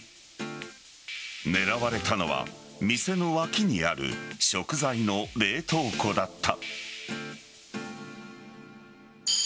狙われたのは店の脇にある食材の冷凍庫だった。